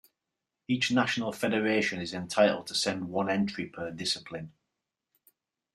Each national federation is entitled to send one entry per discipline.